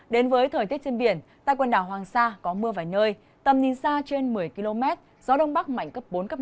đến với thời tiết trên biển tại quần đảo hoàng sa có mưa vài nơi tầm nhìn xa trên một mươi km gió đông bắc mạnh cấp bốn năm